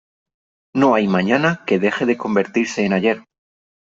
No hay mañana que deje de convertirse en ayer.